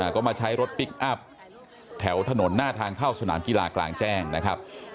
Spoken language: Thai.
ก็มาใช้รถพลิกอัพแถวถนนหน้าทางเข้าสนามกีฬากลางแจ้งนะครับ